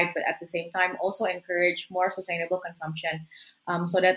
dan juga mendorong konsumsi yang lebih berkelanjutan